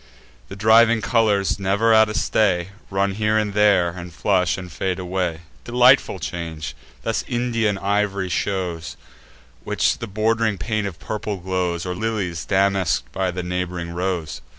The driving colours, never at a stay, Run here and there, and flush, and fade away. Delightful change! Thus Indian iv'ry shows, Which with the bord'ring paint of purple glows; Or lilies damask'd by the neighb'ring rose.